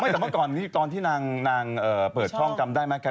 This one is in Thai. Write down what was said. ไม่สักเมื่อก่อนนี่ตอนที่นางเปิดช่องกรรมได้ไหมครับ